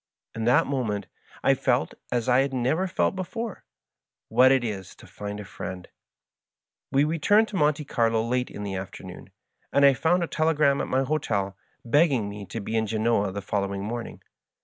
In that moment I felt, as I had never felt before, what it is to find a friend. We retomed to Monte Carlo late in the afternoon, and I f onnd a telegram at my hotel begging me to be in Genoa the following morning.